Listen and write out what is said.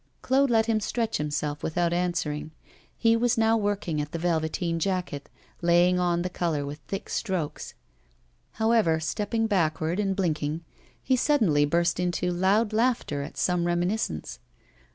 Claude let him stretch himself without answering. He was now working at the velveteen jacket, laying on the colour with thick strokes, However, stepping backward and blinking, he suddenly burst into loud laughter at some reminiscence.